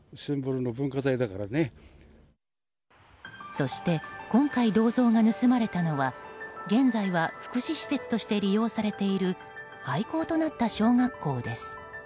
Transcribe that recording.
そして今回銅像が盗まれたのは現在は福祉施設として利用されている廃校となった小学校です。